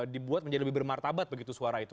dibuat menjadi lebih bermartabat begitu suara itu